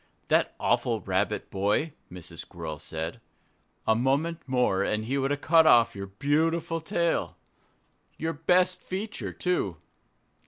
"That awful Rabbit boy!" Mrs. Squirrel said. "A moment more and he would have cut off your beautiful tail your best feature, too!"